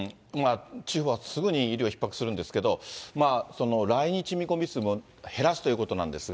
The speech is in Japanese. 地方はすぐに医療ひっ迫するんですけれども、来日見込み数も減らすということなんですが。